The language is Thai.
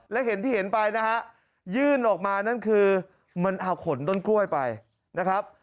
และเห็นที่เห็นไปนะฮะยื่นออกมานั่นคือมันเอาขนต้นกล้วยไปนะครับ